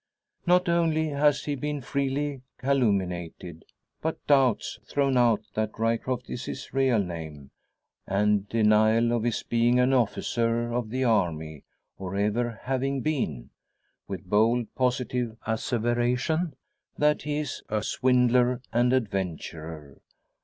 Not only has he been freely calumniated, but doubts thrown out that Ryecroft is his real name, and denial of his being an officer of the army, or ever having been; with bold, positive asseveration that he is a swindler and adventurer!